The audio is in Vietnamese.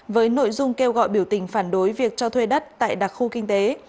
với nội dung kêu gọi biểu tình phản đối việc cho thuê đất tại đặc khu kinh tế